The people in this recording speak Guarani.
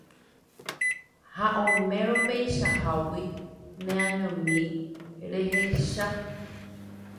Ha oimérõ peichahágui neañomi rejehecha